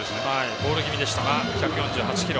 ボール気味でしたが１４８キロ。